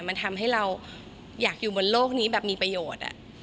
มันทำให้เราอยากอยู่บนโลกนี้แบบมีประโยชน์